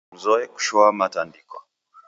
Mzoe kushoamatandiko.